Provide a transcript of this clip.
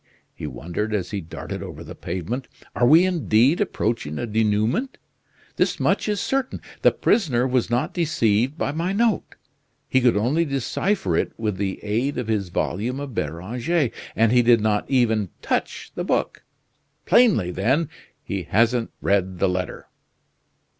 he wondered as he darted over the pavement. "Are we indeed approaching a denouement? This much is certain, the prisoner was not deceived by my note. He could only decipher it with the aid of his volume of Beranger, and he did not even touch the book; plainly, then, he hasn't read the letter."